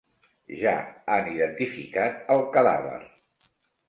Ja han identificat el cadàver.